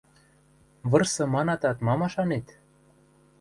Вырсы манатат, ма машанет?